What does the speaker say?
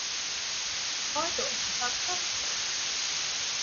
হয়তো, ঝাক্কাস প্ল্যান।